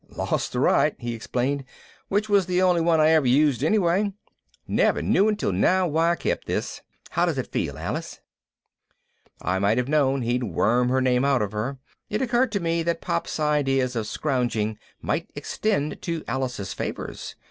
"Lost the right," he explained, "which was the only one I ever used anyway. Never knew until now why I kept this. How does it feel, Alice?" I might have known he'd worm her name out of her. It occurred to me that Pop's ideas of scrounging might extend to Alice's favors.